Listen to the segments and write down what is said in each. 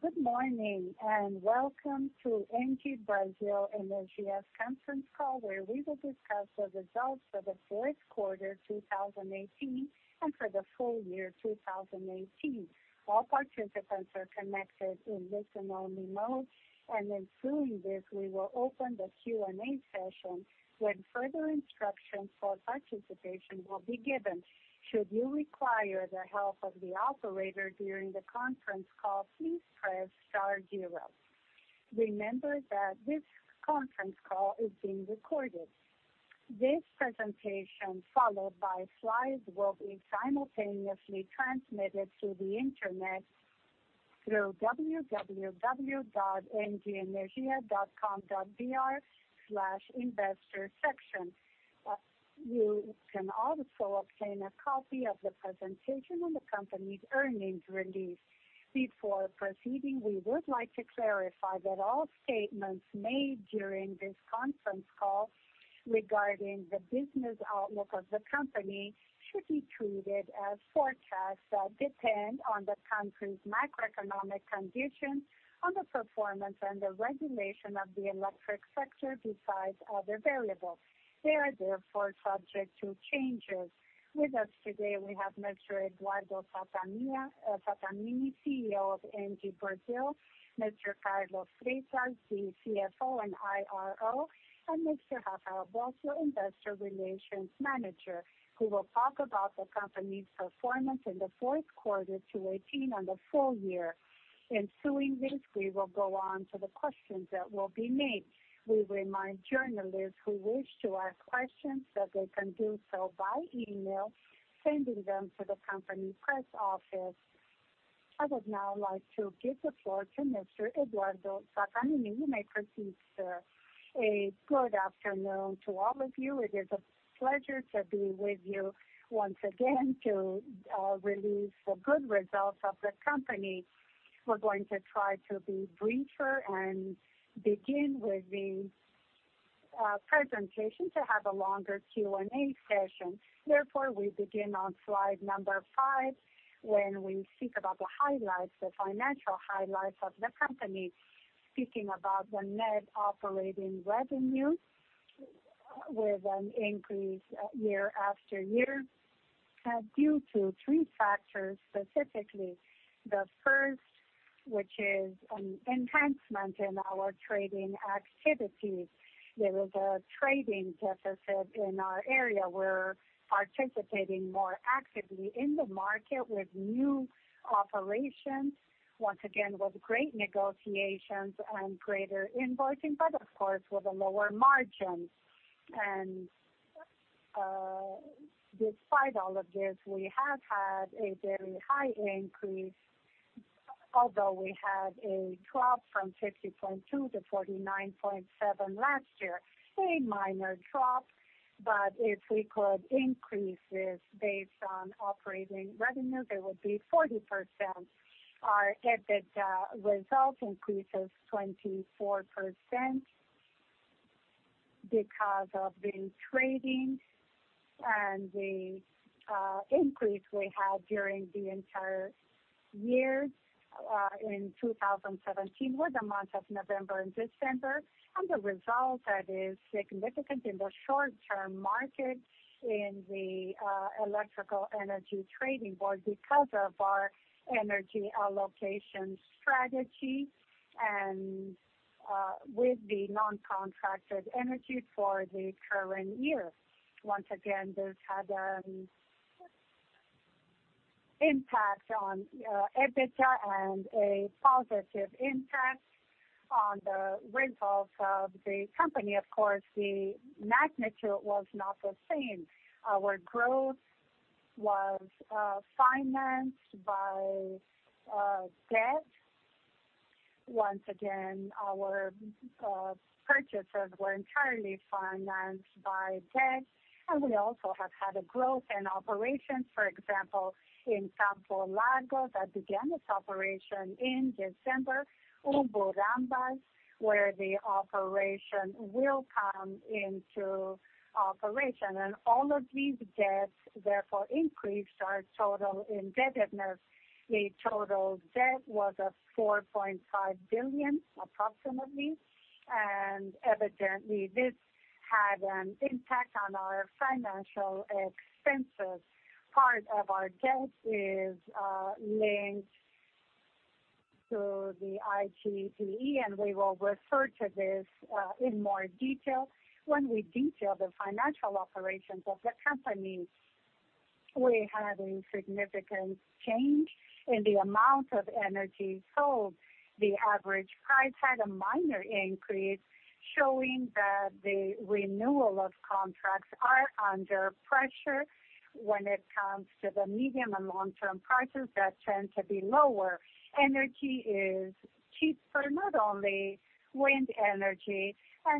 Good morning and welcome to ENGIE Brasil Energia's conference call, where we will discuss the results for the fourth quarter 2018 and for the full year 2018. All participants are connected in listen-only mode, and in doing this, we will open the Q&A session when further instructions for participation will be given. Should you require the help of the operator during the conference call, please press star zero. Remember that this conference call is being recorded. This presentation, followed by slides, will be simultaneously transmitted to the internet through www.engieenergia.com.br/investor section. You can also obtain a copy of the presentation and the company's earnings release. Before proceeding, we would like to clarify that all statements made during this conference call regarding the business outlook of the company should be treated as forecasts that depend on the country's macroeconomic condition, on the performance, and the regulation of the electric sector besides other variables. They are therefore subject to changes. With us today, we have Mr. Eduardo Sattamini, CEO of ENGIE Brasil, Mr. Carlos Freitas, the CFO and IRO, and Mr. Rafael Bósio, Industrial Relations Manager, who will talk about the company's performance in the fourth quarter 2018 and the full year. In doing this, we will go on to the questions that will be made. We remind journalists who wish to ask questions that they can do so by email, sending them to the company press office. I would now like to give the floor to Mr. Eduardo Sattamini. You may proceed, sir. A good afternoon to all of you. It is a pleasure to be with you once again to release the good results of the company. We're going to try to be briefer and begin with the presentation to have a longer Q&A session. Therefore, we begin on slide number five when we speak about the highlights, the financial highlights of the company, speaking about the net operating revenue with an increase year after year due to three factors, specifically the first, which is an enhancement in our trading activity. There is a trading deficit in our area, we're participating more actively in the market with new operations, once again with great negotiations and greater invoicing, but of course with a lower margin. Despite all of this, we have had a very high increase, although we had a drop from 50.2 to 49.7 last year, a minor drop. If we could increase this based on operating revenue, there would be 40%. Our EBITDA result increases 24% because of the trading and the increase we had during the entire year in 2017 with the month of November and December. The result that is significant in the short-term market in the electrical energy trading board is because of our energy allocation strategy and with the non-contracted energy for the current year. Once again, this had an impact on EBITDA and a positive impact on the results of the company. Of course, the magnitude was not the same. Our growth was financed by debt. Once again, our purchases were entirely financed by debt. We also have had a growth in operations. For example, in Campo Largo, that began its operation in December, Umburanas, where the operation will come into operation. All of these debts therefore increased our total indebtedness. The total debt was of 4.5 billion, approximately. Evidently, this had an impact on our financial expenses. Part of our debt is linked to the ITPE, and we will refer to this in more detail. When we detail the financial operations of the company, we had a significant change in the amount of energy sold. The average price had a minor increase, showing that the renewal of contracts are under pressure when it comes to the medium and long-term prices that tend to be lower. Energy is cheaper, not only wind energy.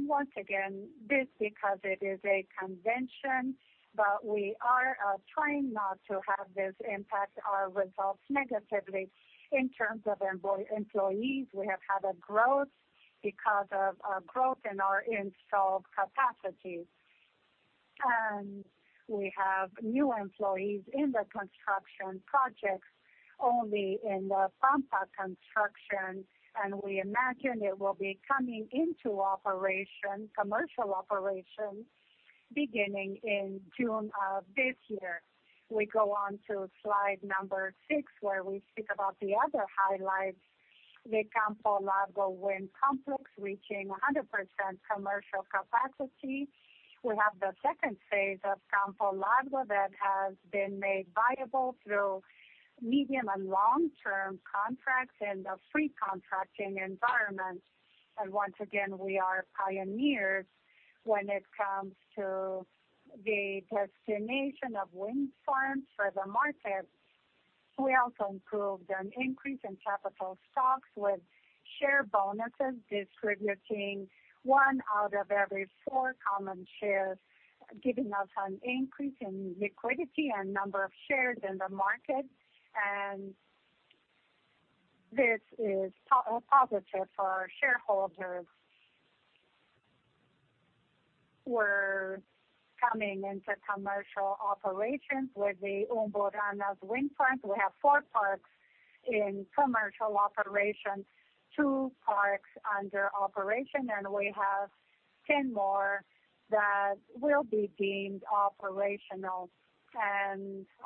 Once again, this is because it is a convention, but we are trying not to have this impact our results negatively. In terms of employees, we have had a growth because of growth in our installed capacity. We have new employees in the construction projects, only in the Pampa construction. We imagine it will be coming into commercial operation beginning in June of this year. We go on to slide number six, where we speak about the other highlights. The Campo Largo wind complex reaching 100% commercial capacity. We have the second phase of Campo Largo that has been made viable through medium and long-term contracts and the free contracting environment. Once again, we are pioneers when it comes to the destination of wind farms for the market. We also improved and increased capital stocks with share bonuses, distributing one out of every four common shares, giving us an increase in liquidity and number of shares in the market. This is positive for our shareholders. We are coming into commercial operations with the Umburanas Wind Plant. We have four parks in commercial operation, two parks under operation, and we have ten more that will be deemed operational.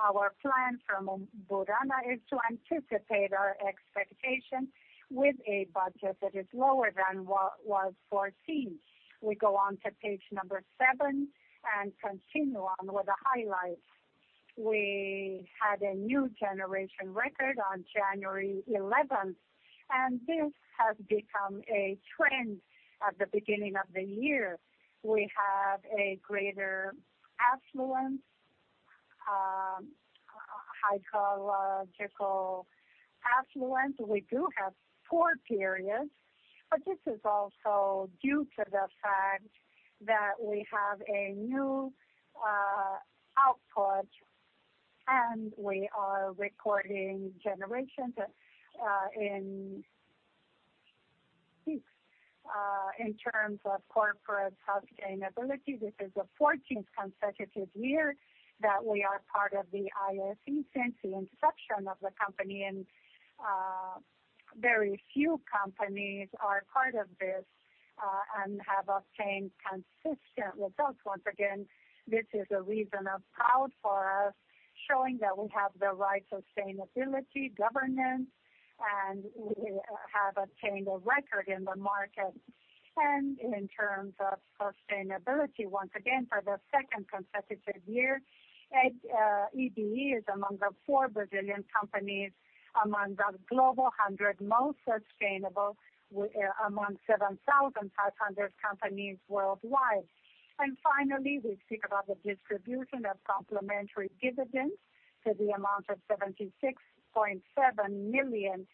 Our plan from Umburanas is to anticipate our expectation with a budget that is lower than what was foreseen. We go on to page number seven and continue on with the highlights. We had a new generation record on January 11th, and this has become a trend at the beginning of the year. We have a greater affluence, hydrological affluence. We do have poor periods, but this is also due to the fact that we have a new output, and we are recording generations in terms of corporate sustainability. This is the 14th consecutive year that we are part of the ISE since the inception of the company, and very few companies are part of this and have obtained consistent results. Once again, this is a reason of pride for us, showing that we have the right sustainability governance, and we have obtained a record in the market. In terms of sustainability, once again, for the second consecutive year, EBE is among the four Brazilian companies among the global 100 most sustainable, among 7,500 companies worldwide. Finally, we speak about the distribution of complementary dividends to the amount of 76.7 million.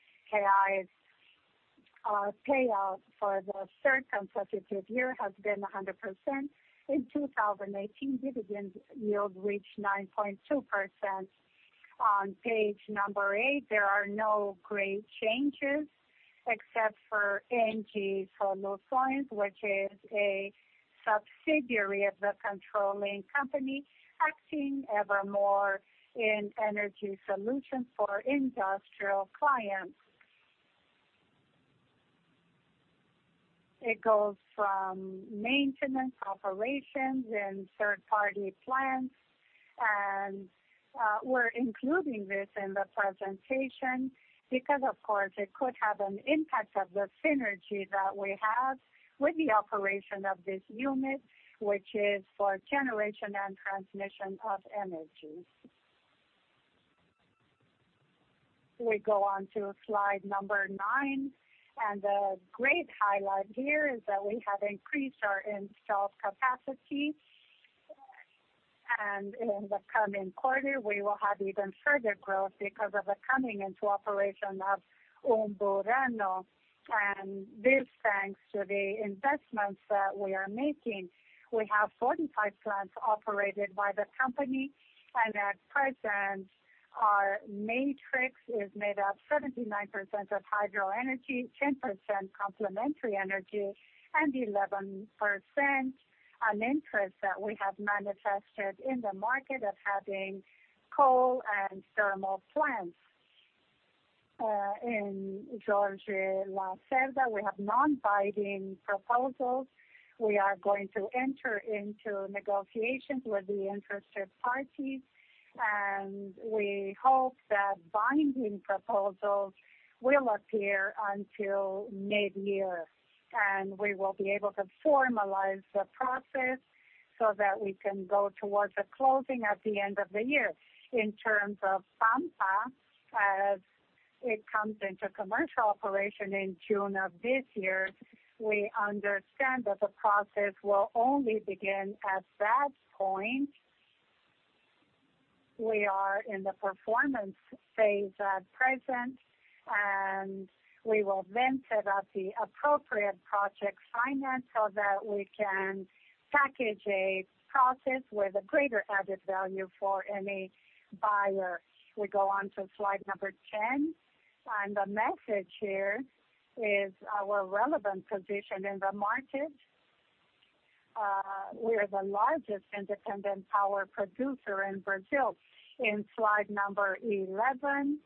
Payout for the third consecutive year has been 100%. In 2018, dividend yield reached 9.2%. On page number eight, there are no great changes except for Engie Soluções, which is a subsidiary of the controlling company, acting ever more in energy solutions for industrial clients. It goes from maintenance operations in third-party plants, and we're including this in the presentation because, of course, it could have an impact on the synergy that we have with the operation of this unit, which is for generation and transmission of energy. We go on to slide number nine, and the great highlight here is that we have increased our installed capacity, and in the coming quarter, we will have even further growth because of the coming into operation of Umburanas. This is thanks to the investments that we are making. We have 45 plants operated by the company, and at present, our matrix is made up of 79% of hydro energy, 10% complementary energy, and 11% an interest that we have manifested in the market of having coal and thermal plants. In Jorge Lacerda, we have non-binding proposals. We are going to enter into negotiations with the interested parties, and we hope that binding proposals will appear until mid-year. We will be able to formalize the process so that we can go towards a closing at the end of the year. In terms of Pampa, as it comes into commercial operation in June of this year, we understand that the process will only begin at that point. We are in the performance phase at present, and we will then set up the appropriate project finance so that we can package a process with a greater added value for any buyer. We go on to slide number ten, and the message here is our relevant position in the market. We are the largest independent power producer in Brazil. In slide number eleven,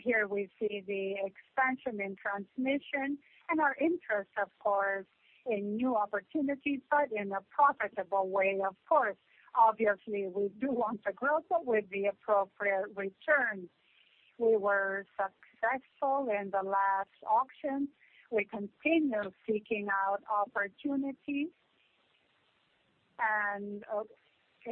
here we see the expansion in transmission and our interest, of course, in new opportunities, but in a profitable way, of course. Obviously, we do want to grow, but with the appropriate returns. We were successful in the last auction. We continue seeking out opportunities.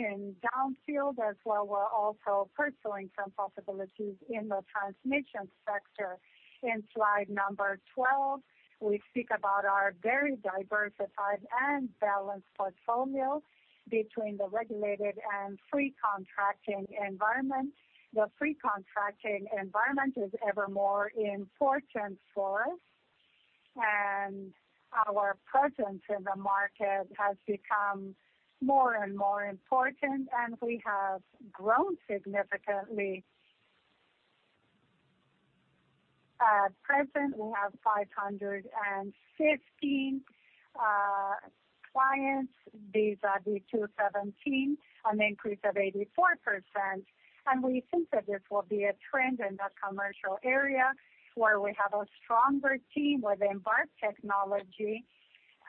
In downfield as well, we are also pursuing some possibilities in the transmission sector. In slide number twelve, we speak about our very diversified and balanced portfolio between the regulated and free contracting environment. The free contracting environment is ever more important for us, and our presence in the market has become more and more important, and we have grown significantly. At present, we have 515 clients. These are the 217, an increase of 84%. We think that this will be a trend in the commercial area where we have a stronger team within BART Technology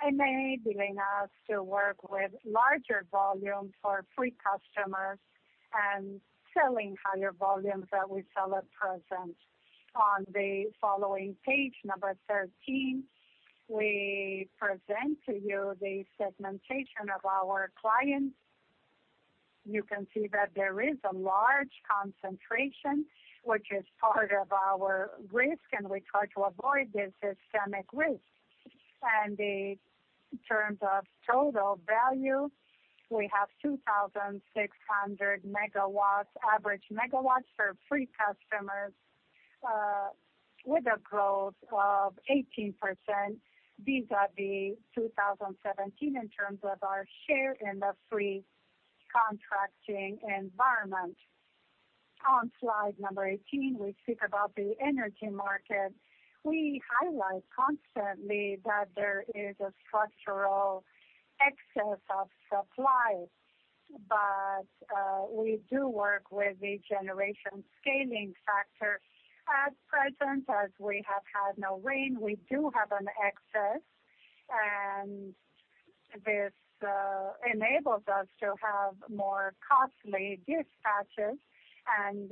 enabling us to work with larger volumes for free customers and selling higher volumes that we sell at present. On the following page, number thirteen, we present to you the segmentation of our clients. You can see that there is a large concentration, which is part of our risk, and we try to avoid this systemic risk. In terms of total value, we have 2,600 megawatts, average megawatts for free customers, with a growth of 18% vis-à-vis 2017 in terms of our share in the free contracting environment. On slide number eighteen, we speak about the energy market. We highlight constantly that there is a structural excess of supply, but we do work with the generation scaling factor. At present, as we have had no rain, we do have an excess, and this enables us to have more costly dispatches, and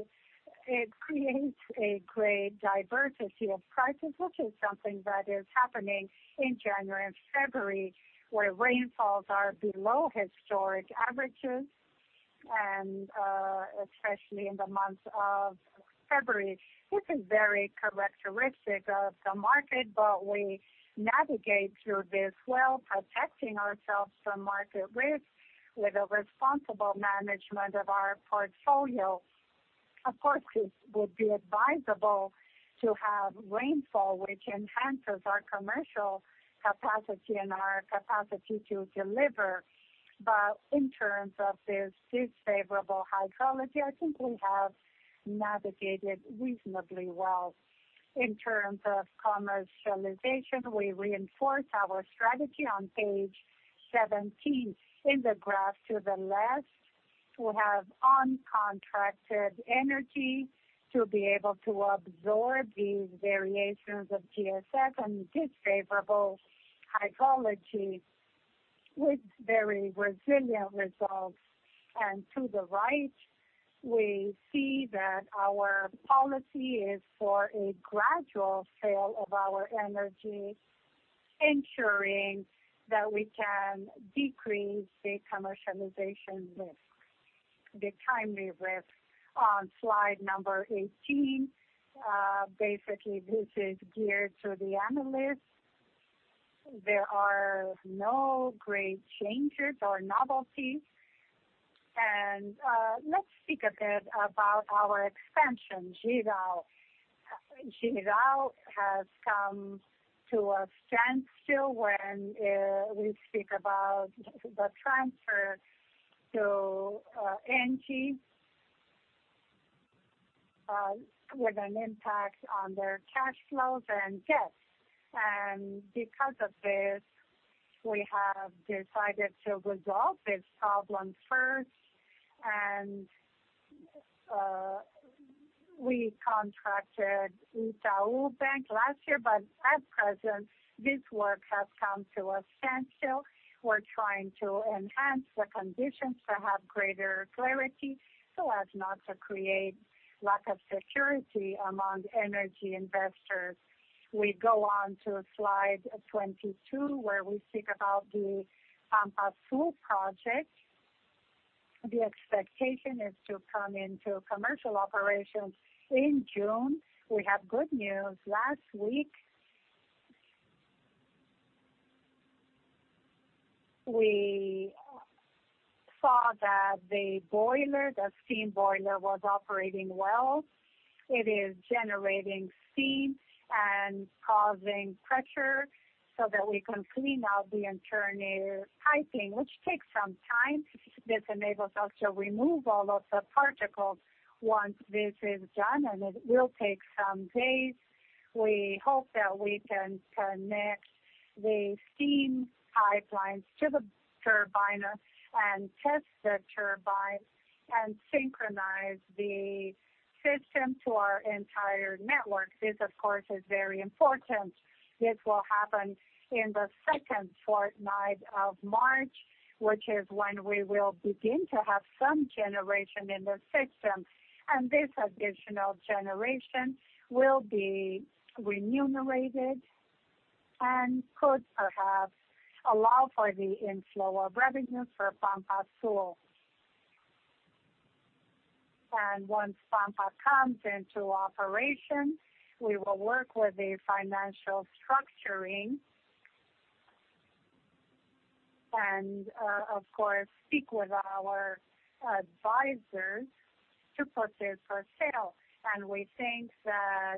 it creates a great diversity of practice, which is something that is happening in January and February, where rainfalls are below historic averages, and especially in the month of February. This is very characteristic of the market, but we navigate through this well, protecting ourselves from market risk with a responsible management of our portfolio. Of course, it would be advisable to have rainfall, which enhances our commercial capacity and our capacity to deliver. In terms of this disfavorable hydrology, I think we have navigated reasonably well. In terms of commercialization, we reinforce our strategy on page seventeen. In the graph to the left, we have uncontracted energy to be able to absorb these variations of GSF and disfavorable hydrology with very resilient results. To the right, we see that our policy is for a gradual sale of our energy, ensuring that we can decrease the commercialization risk, the timely risk. On slide number eighteen, basically this is geared to the analysts. There are no great changes or novelties. Let's speak a bit about our expansion, GVAL. GVAL has come to a standstill when we speak about the transfer to Engie, with an impact on their cash flows and debts. Because of this, we have decided to resolve this problem first. We contracted Itaú Unibanco last year, but at present, this work has come to a standstill. We're trying to enhance the conditions to have greater clarity, so as not to create lack of security among energy investors. We go on to slide twenty-two, where we speak about the Pampa Sul project. The expectation is to come into commercial operations in June. We have good news. Last week, we saw that the boiler, the steam boiler, was operating well. It is generating steam and causing pressure so that we can clean out the internal piping, which takes some time. This enables us to remove all of the particles once this is done, and it will take some days. We hope that we can connect the steam pipelines to the turbine and test the turbine and synchronize the system to our entire network. This, of course, is very important. This will happen in the second fortnight of March, which is when we will begin to have some generation in the system. This additional generation will be remunerated and could perhaps allow for the inflow of revenues for Pampa Sul. Once Pampa comes into operation, we will work with the financial structuring and, of course, speak with our advisors to proceed for sale. We think that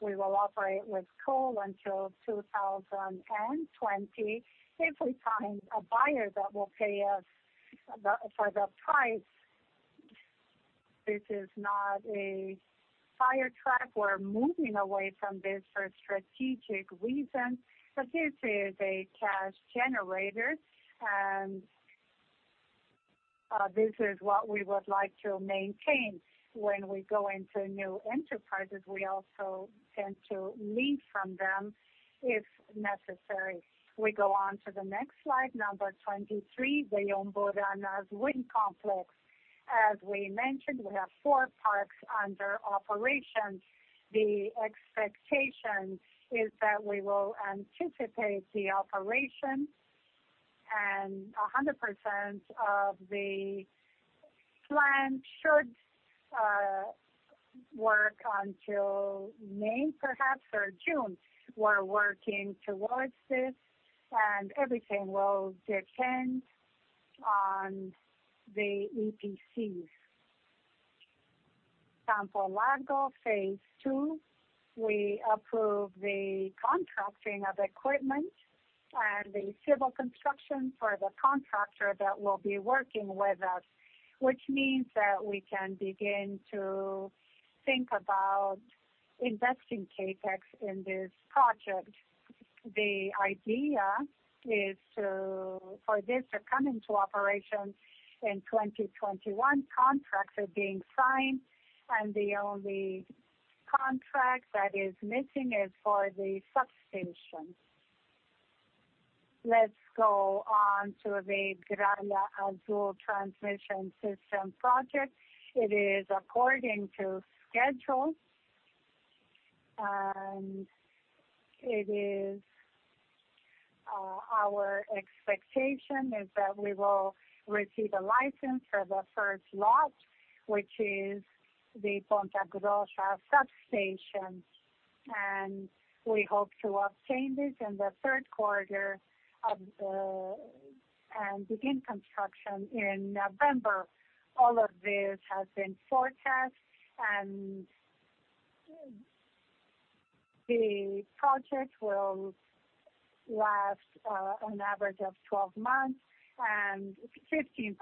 we will operate with coal until 2020 if we find a buyer that will pay us for the price. This is not a fire truck. We are moving away from this for strategic reasons, but this is a cash generator, and this is what we would like to maintain. When we go into new enterprises, we also tend to leave from them if necessary. We go on to the next slide, number twenty-three, the Umburanas Wind Complex. As we mentioned, we have four parks under operation. The expectation is that we will anticipate the operation, and 100% of the plant should work until May, perhaps, or June. We are working towards this, and everything will depend on the EPCs. Campo Largo, phase two, we approve the contracting of equipment and the civil construction for the contractor that will be working with us, which means that we can begin to think about investing CapEx in this project. The idea is for this to come into operation in 2021. Contracts are being signed, and the only contract that is missing is for the substation. Let's go on to the Gralha Azul Transmission System project. It is according to schedule, and our expectation is that we will receive a license for the first lot, which is the Ponta Grossa substation. We hope to obtain this in the third quarter and begin construction in November. All of this has been forecast, and the project will last an average of 12 months and 15%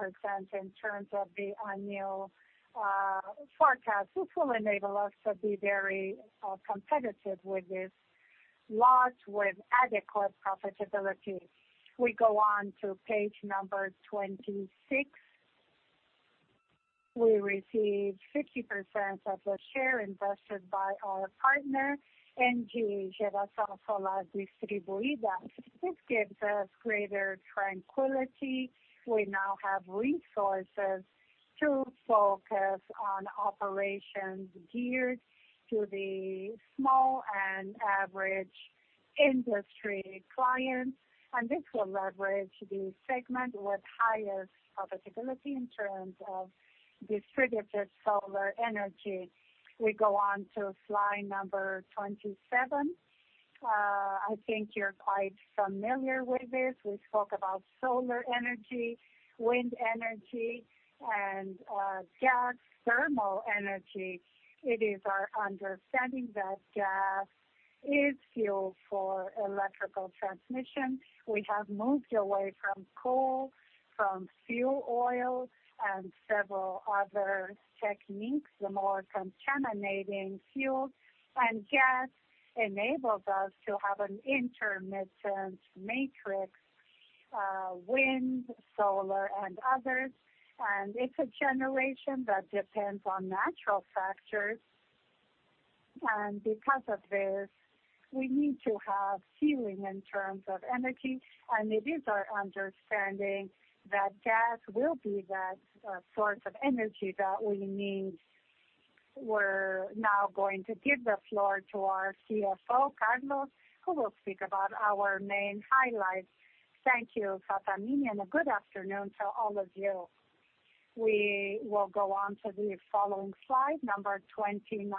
in terms of the annual forecast, which will enable us to be very competitive with this lot with adequate profitability. We go on to page number twenty-six. We receive 50% of the share invested by our partner, Engie Geração Solar Distribuída. This gives us greater tranquility. We now have resources to focus on operations geared to the small and average industry clients, and this will leverage the segment with highest profitability in terms of distributed solar energy. We go on to slide number twenty-seven. I think you're quite familiar with this. We spoke about solar energy, wind energy, and gas thermal energy. It is our understanding that gas is fuel for electrical transmission. We have moved away from coal, from fuel oil, and several other techniques, the more contaminating fuel. Gas enables us to have an intermittent matrix: wind, solar, and others. It is a generation that depends on natural factors. Because of this, we need to have ceiling in terms of energy, and it is our understanding that gas will be that source of energy that we need. We are now going to give the floor to our CFO, Carlos, who will speak about our main highlights. Thank you, Fratamini, and a good afternoon to all of you. We will go on to the following slide, number 29,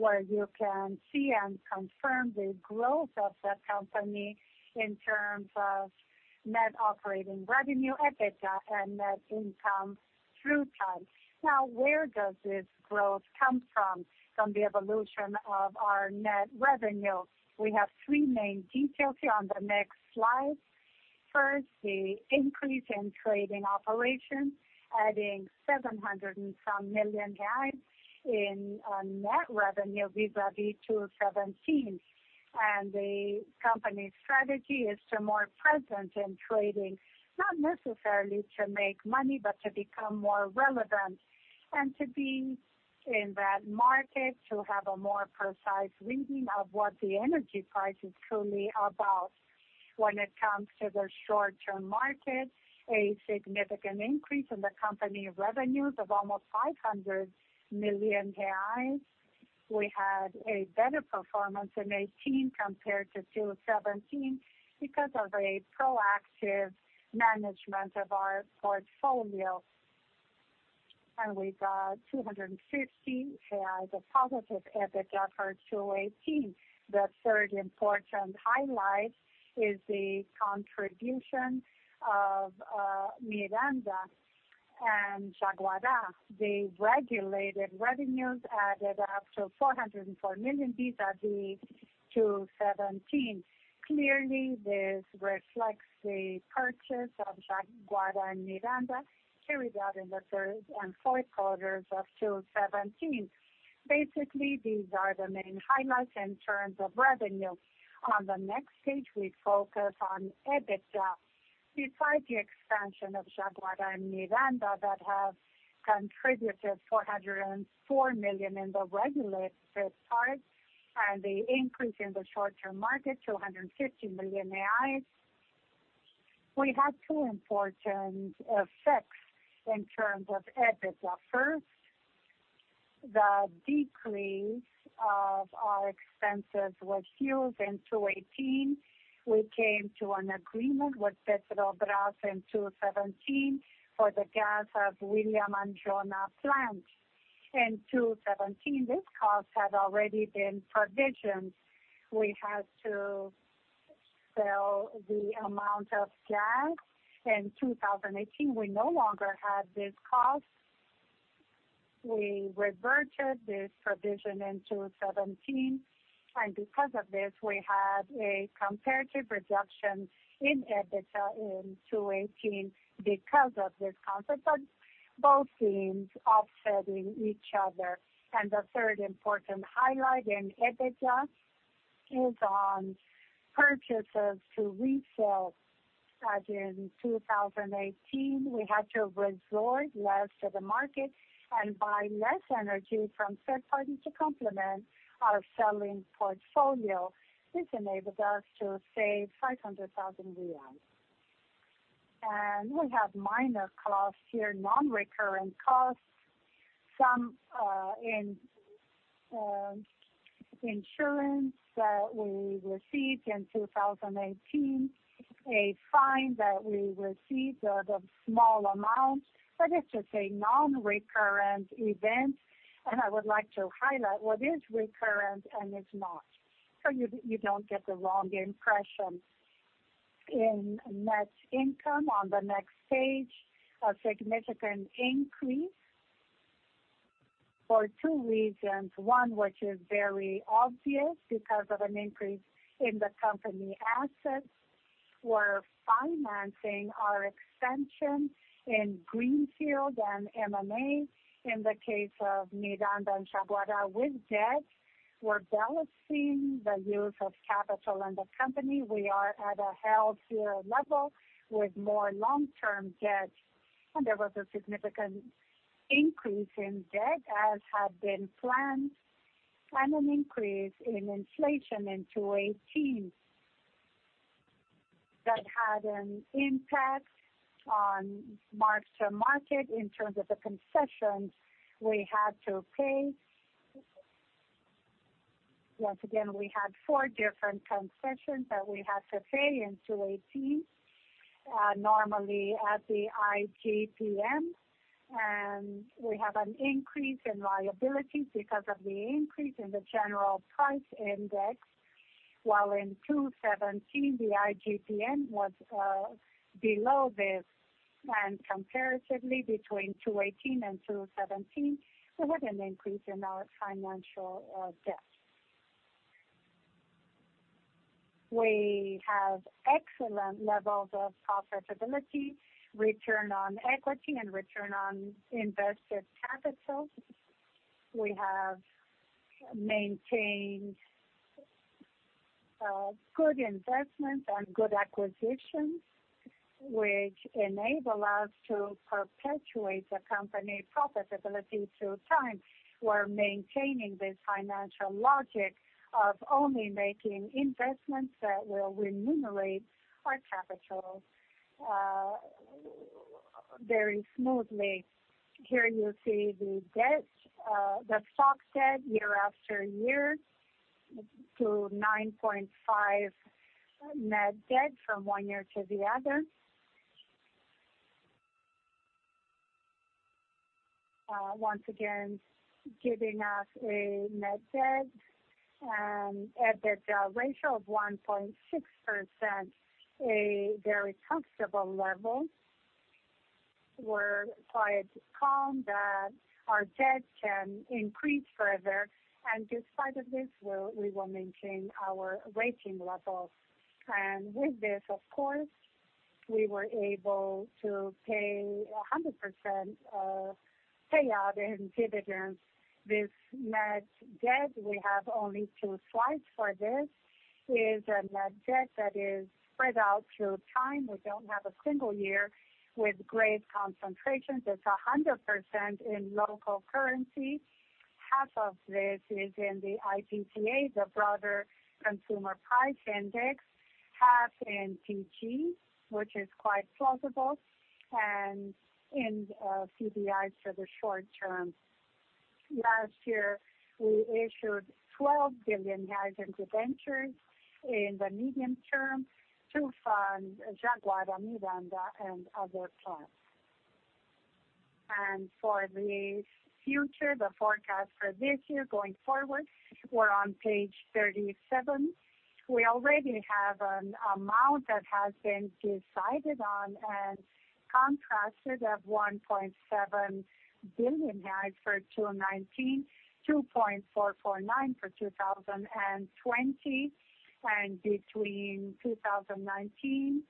where you can see and confirm the growth of the company in terms of net operating revenue, EBITDA, and net income through time. Now, where does this growth come from? From the evolution of our net revenue. We have three main details here on the next slide. First, the increase in trading operations, adding 700 million and some in net revenue vis-à-vis 2017. The company's strategy is to be more present in trading, not necessarily to make money, but to become more relevant and to be in that market, to have a more precise reading of what the energy price is truly about. When it comes to the short-term market, a significant increase in the company revenues of almost 500 million reais. We had a better performance in 2018 compared to 2017 because of a proactive management of our portfolio. We got BRL 250 million of positive EBITDA for 2018. The third important highlight is the contribution of Miranda and Jaguara. The regulated revenues added up to 404 million vis-à-vis 2017. Clearly, this reflects the purchase of Jaguara and Miranda carried out in the third and fourth quarters of 2017. Basically, these are the main highlights in terms of revenue. On the next page, we focus on EBITDA. Besides the expansion of Jaguara and Miranda that has contributed 404 million in the regulated part and the increase in the short-term market, 250 million reais, we had two important effects in terms of EBITDA. First, the decrease of our expenses with fuel in 2018. We came to an agreement with Petrobras in 2017 for the gas of William and Jonah plant. In 2017, this cost had already been provisioned. We had to sell the amount of gas. In 2018, we no longer had this cost. We reverted this provision in 2017. Because of this, we had a comparative reduction in EBITDA in 2018 because of this concept, both teams offsetting each other. The third important highlight in EBITDA is on purchases to resell. As in 2018, we had to resort less to the market and buy less energy from third parties to complement our selling portfolio. This enabled us to save 500,000 million reais. We have minor costs here, non-recurrent costs. Some in insurance that we received in 2018, a fine that we received of a small amount, but it is just a non-recurrent event. I would like to highlight what is recurrent and is not, so you do not get the wrong impression. In net income, on the next page, a significant increase for two reasons. One, which is very obvious, because of an increase in the company assets. We are financing our extension in Greenfield and MMA in the case of Miranda and Jaguara with debt. We are balancing the use of capital in the company. We are at a healthier level with more long-term debt. There was a significant increase in debt, as had been planned, and an increase in inflation in 2018 that had an impact on mark-to-market in terms of the concessions we had to pay. Once again, we had four different concessions that we had to pay in 2018, normally at the IGP-M. We have an increase in liabilities because of the increase in the general price index, while in 2017 the IGP-M was below this. Comparatively, between 2018 and 2017, we had an increase in our financial debt. We have excellent levels of profitability, return on equity, and return on invested capital. We have maintained good investments and good acquisitions, which enable us to perpetuate the company's profitability through time. We are maintaining this financial logic of only making investments that will remunerate our capital very smoothly. Here you see the debt, the stock debt year after year, to 9.5 net debt from one year to the other. Once again, giving us a net debt and EBITDA ratio of 1.6%, a very comfortable level. We're quite calm that our debt can increase further, and despite this, we will maintain our rating level. With this, of course, we were able to pay 100% payout in dividends. This net debt, we have only two slides for this, is a net debt that is spread out through time. We do not have a single year with great concentrations. It is 100% in local currency. Half of this is in the IPCA, the broader consumer price index. Half in CDI, which is quite plausible, and in CBIs for the short term. Last year, we issued 12 billion in debentures in the medium term to fund Jaguara, Miranda, and other plants. For the future, the forecast for this year going forward, we're on page 37. We already have an amount that has been decided on and contracted of 1.7 billion for 2019, 2.449 billion for 2020, and between 2019,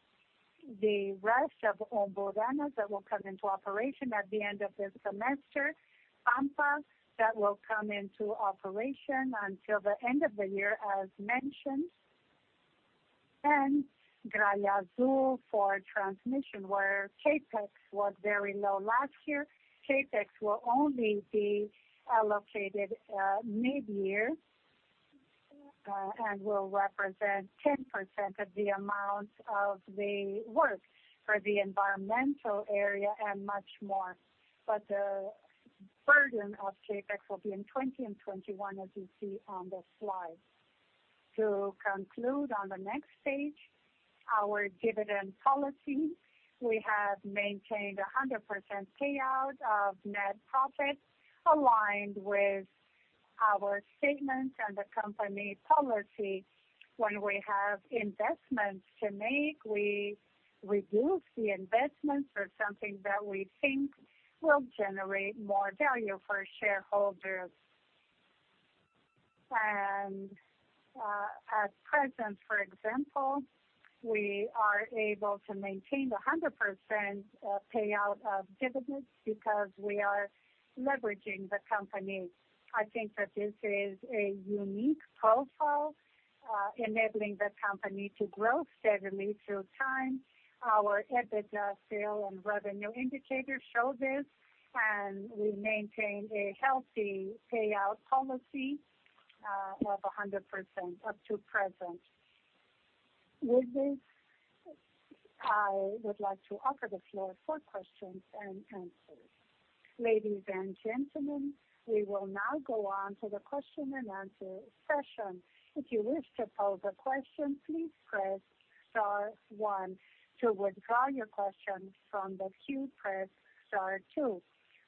the rest of Umburanas that will come into operation at the end of this semester, Pampa that will come into operation until the end of the year, as mentioned, and Gralha Azul for transmission, where CapEx was very low last year. CapEx will only be allocated mid-year and will represent 10% of the amount of the work for the environmental area and much more. The burden of CapEx will be in 2020 and 2021, as you see on the slide. To conclude, on the next page, our dividend policy. We have maintained 100% payout of net profit aligned with our statements and the company policy. When we have investments to make, we reduce the investments for something that we think will generate more value for shareholders. At present, for example, we are able to maintain 100% payout of dividends because we are leveraging the company. I think that this is a unique profile, enabling the company to grow steadily through time. Our EBITDA, sale, and revenue indicators show this, and we maintain a healthy payout policy of 100% up to present. With this, I would like to offer the floor for questions and answers. Ladies and gentlemen, we will now go on to the question and answer session. If you wish to pose a question, please press star one. To withdraw your question from the queue, press star two.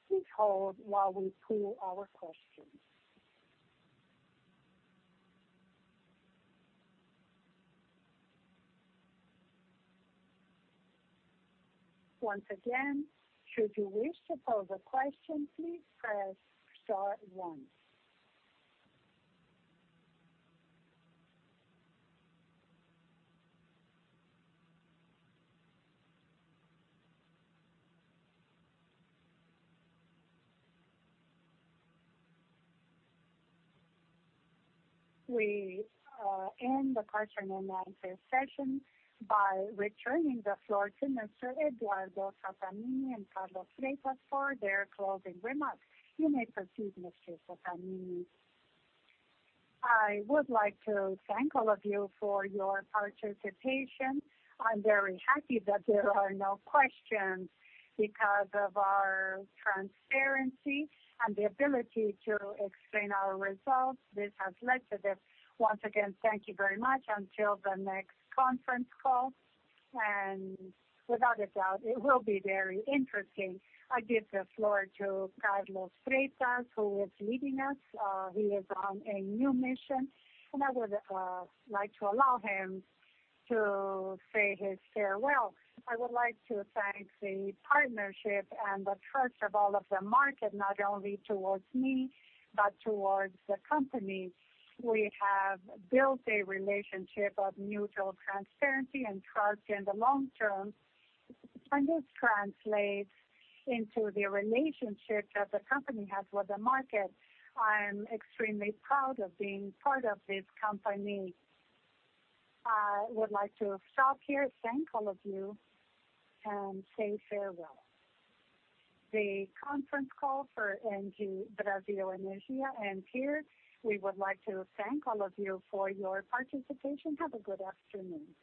Please hold while we pull our questions. Once again, should you wish to pose a question, please press star one. We end the question and answer session by returning the floor to Mr. Eduardo Sattamini and Carlos Freitas for their closing remarks. You may proceed, Mr. Sattamini. I would like to thank all of you for your participation. I'm very happy that there are no questions. Because of our transparency and the ability to explain our results, this has led to this. Once again, thank you very much. Until the next conference call. Without a doubt, it will be very interesting. I give the floor to Carlos Freitas who is leading us. He is on a new mission, and I would like to allow him to say his farewell. I would like to thank the partnership and the trust of all of the market, not only towards me but towards the company. We have built a relationship of mutual transparency and trust in the long term, and this translates into the relationship that the company has with the market. I'm extremely proud of being part of this company. I would like to stop here, thank all of you, and say farewell. The conference call for ENGIE Brasil Energia ends here. We would like to thank all of you for your participation. Have a good afternoon.